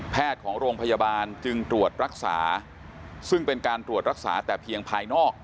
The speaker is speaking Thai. ของโรงพยาบาลจึงตรวจรักษาซึ่งเป็นการตรวจรักษาแต่เพียงภายนอก